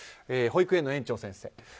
保育園の園長先生。